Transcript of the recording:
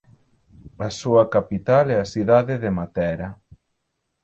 A súa capital é a cidade de Matera.